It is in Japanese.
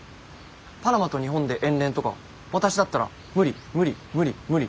パナマと日本で遠恋とか私だったら無理無理無理無理。